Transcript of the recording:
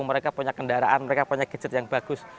mereka punya kendaraan mereka punya gadget yang bagus